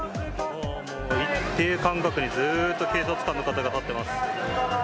一定間隔でずっと警察官の方が立ってます。